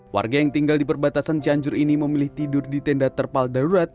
warga yang tinggal di perbatasan cianjur ini memilih tidur di tenda terpal darurat